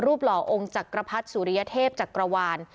หล่อองค์จักรพรรดิสุริยเทพจักรวาล